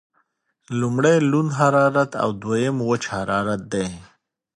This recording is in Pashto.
لمړی لوند حرارت او دویم وچ حرارت دی.